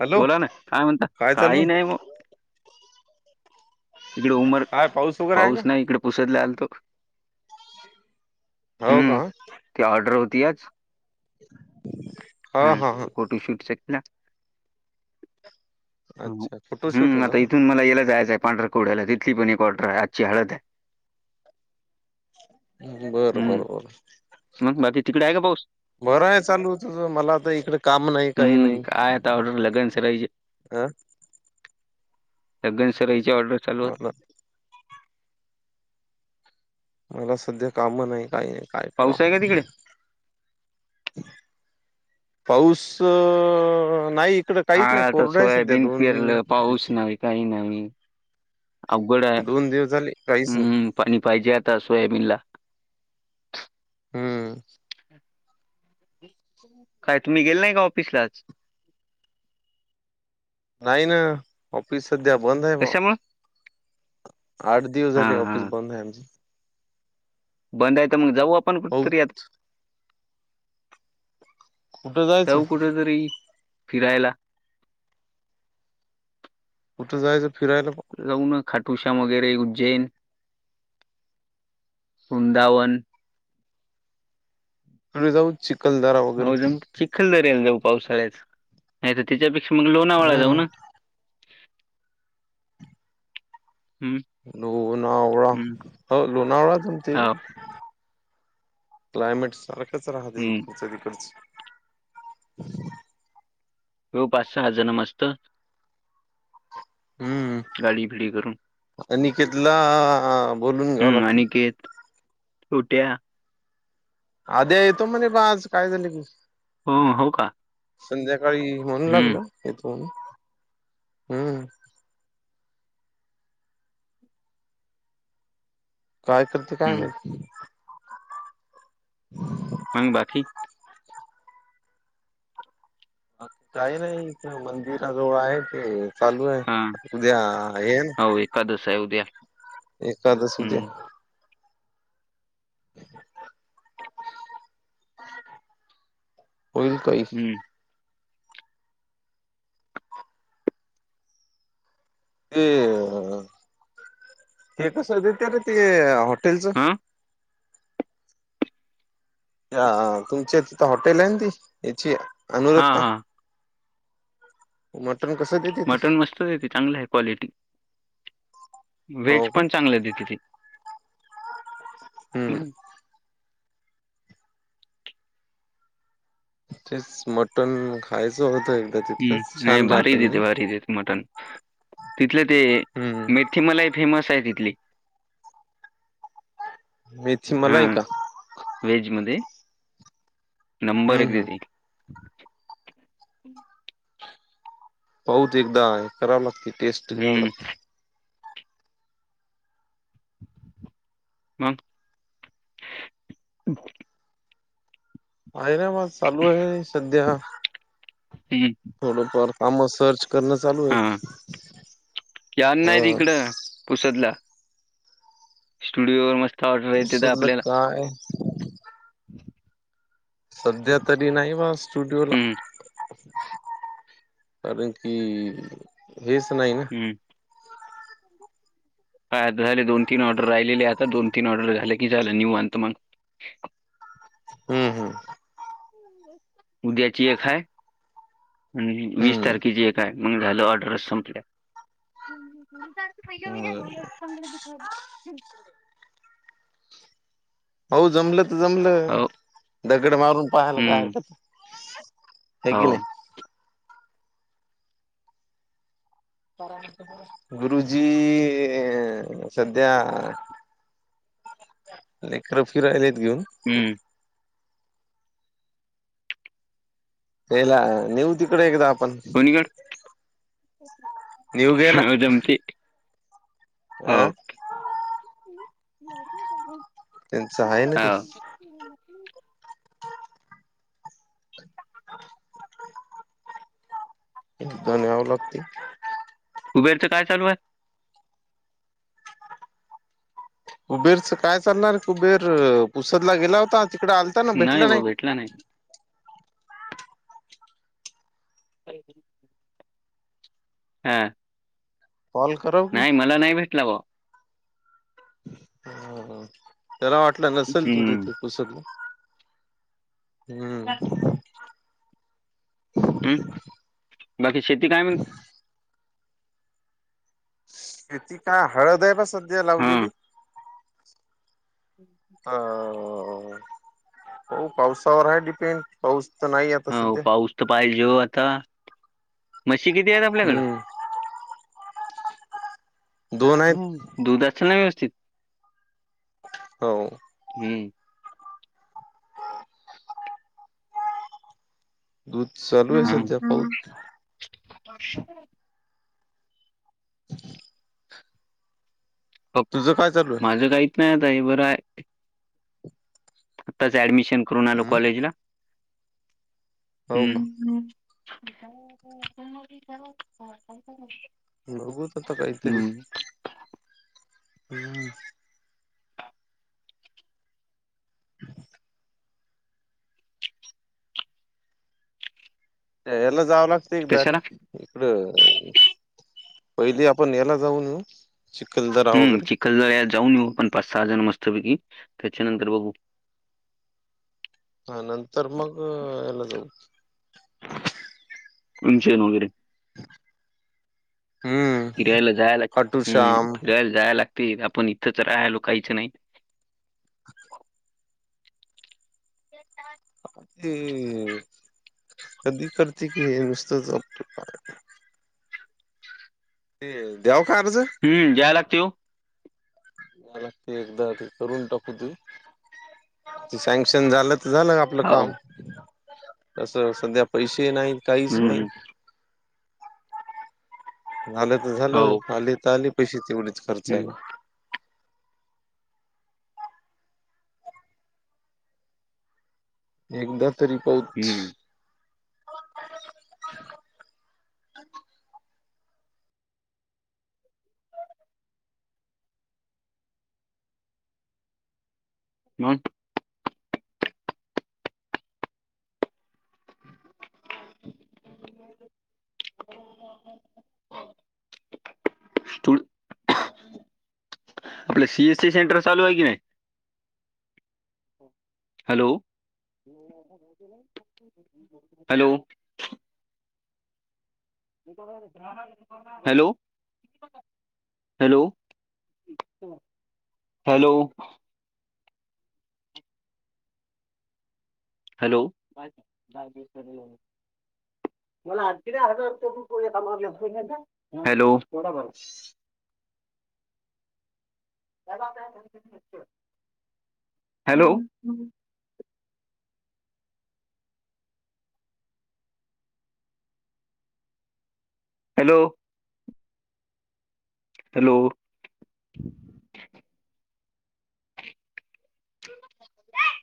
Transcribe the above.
Hello बोला ना काय म्हणता काही नाही मग इकडे उमर काय वगैरे आहे पाऊस नाही इकडे पुसतला आल तो हो का ती ऑर्डर होती आज [inaudible] हा फोटो शूट शखला अच्छा फोटोशूट हम होता आता का इथून मला याला जायचं आहे पांढर्या कोवढ्याला तिथली पण एक ऑर्टर आहे आजची हळद आहे बरं बर हम्म बर मग बाबी तिकडे आहे का पाऊस बरं आहे चालू तझ मला आ तर इकडे काम नाही काही नाही आ आता ऑर्डर लगन रहीज आं लग्न सर याची ऑर्डर चालू होत मलब मला सध्या काम नाही काही नाही काय करा पाऊस आहे का तिकडे पाऊस नाही इकड हा तर सोयाबीन पिरलं पाऊस नाही काही नाही अवघड आहे दोन दिवस झाले काहीच नाही हम्म पाणी पाहिजे आता सोयाबीन ला हम्म काय तुम्ही गेले नाही का ऑफिसलाच नाही ना ऑफिस सध्या बंद आहे म कशामुळे आठ दिवस हा झाले हा ऑफिस बंद आहे आमची बंद आहे तर मग जाऊ आपण हो कुठेतरी कुठं जायचं जाऊ कुठेतरी फिरायला कुठं जायचं फिरायला जाऊन खाटुशा वगैरे उज्जैन वृंदावन पुढडे जाऊ चिखलदराा वगैरे चिखल दर्याला जाऊ पावसाळ्यात नाही तर त्याच्यापेक्षा मग लोणावाळा जाऊ हम्म ना हम्म लोणावळा हम्म हो लोणावळा तुमची हा क्लायमेट सारखंच हम्म राहतच्या तिकडच होऊ पाच सहा जन मस्त. हम्म. गाडी इकडे करून आणि केतला आ आ आ आ म. हम्म आणिकेत गोट्या. अदे तु मनी बाज काय झा क हो हो का संध्याकाळी म्हणू हम्म लागलं इथ हम्म काय करते कायम हम्म ह मग बाकी. काही नाही ईथ मंदिरा जवळ आहे ते. चालू हा आहे उद्या हे ना हो एकादश आहे उद्या एकादस उद्या. हम्म होईल काही. हम्. ते हे कसं देत र ते हॉटेलचं. हा त्या अ अ तुमच्या तिथ हॉटेल आहे ती याची हा अनुरोधता. हा मटण कसं देते ते. तुझ्या हित चगलं आहे क्वालिटी. हो वेहेज का पण चांगलं देत्याती. हम्म. तेच मटण खायचं होतंय. हम्म नाही भारी देते भारी देते मटण तिथले ते हम्म मीठ खिमा लय फेमस आहे तिथली. मेथी मला आहे का. वेज मध्ये नंबर हम्म एकदी हम्म देते. पाहत एकदा करावं लागते टेस्ट घ्यावं हम्म. लागते हां [unintelligible] आहेयराबाद चालू आहे सध्या हं, थोडंफार कामस सर्च करणं चालू आहे हां. हा. पुुसरला. स्टुडिओ वर मस्त ऑर्डर येतेत उसधलं आपल्याला. काय [inaudible] सध्या तरी नाही वा स्टुडिओला. हं, कारण की हेच नाही ना. ह [inaudible] ह झाले दोन तीन ऑर्डर राहिलेले आता दोन तीन ऑर्डर झाले की झालं निवांत मग हम्म हम्. उद्याची एक आहे. आणि वीस हम्म तारखे एकय म झालं ऑर्डर संपल्यात. प हम्म बर हो झा पंरा दट [inaudible] हो जमलं तर जमलं हो. दगड मारून पाहायला काय हं, हरकत आहे. हाय की नाय. हो. गुरुजी सध्या लेकर फिरायलेत घेऊन हम. याला नेऊ तिकडे एकदा आपण. कुणीकड. निव गेला. आ ह का त्यांच आहे ना ते एकदनव लागते कुबेर च काय चालू आहे. कुबेरच काय चालणार कुबेर पुसदला गेला होता तिकड आ नाय व भेटला नाय. काय तरी हा. कॉल करा. नाय मला नाय भेटला ओ. हा त्याला वाटलं नसेल तू हम्म तिथे. ओसरल हम्म. हम बाकी शेती काय म्हण ती काय हळद हाय का सध्या लावलेली. हम् [unintelligible] अ हो पावसावर हाय डिपेंड पाऊस तर नाही आता सध्या पाहिजो ओ आता म्हशी किती आहेत आपल्याकडं. हम्म दोन आहेत हम दूध असत ना व्यवस्थित. हो. हम. दूध चालू आहे सध्या पाऊत अ [inaudible] ह [unintelligible] पप- तुझ काय चालू हाय. माझं काहीच नाय आता हे बरं हाय. आताच ऍडमिशन करून आलो हम्म. कॉलेज ला. हो का हम्म हम् [inaudible] बघु आता काय तरी. हम देयाला जाव लागत एकदा रे. कशाला इकड पहिली आपण याला जाऊन येऊ चिखलदर वगैरे. खेळायला जाऊन येऊ पण पाच सहा जण मस्तपैकी त्याच्यानंतर बघू. हा नंतर मग याला जाऊ. ममषेनगररी [unintelligible] हम्म फिरायला जायला खाटू हम्म श्याम फिरायला जायला लागते आपण इथंच राहायलो काहीच नाही. ते कधी करते की हे नुसतंच आप काय ते देव खर्च. हम्म जाय लागते ओ. जाया लागते एकदा ते करून टाकू ते. सँक्शन झालं तर झालं आपलं हो काम तसं सध्या पैसे नाही काहीच नाही हम्म झालं तर हो झालं आली तर आले पैसे तेवढीच खर्च हम्म आला एकदा तरी पाहत हम्म. म तड आपलं सीएस सी सेंटर चालू आहे की नाही hello [inaudible] hello hello. Hello hello? Hello. ह [inaudible] मला ति हजारार हॅलोार [inaudible] ह [unintelligible] हॅलो हॅलो ते लोक [inaudible]